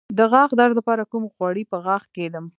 د غاښ درد لپاره کوم غوړي په غاښ کیږدم؟